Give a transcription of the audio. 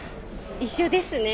一緒ですね。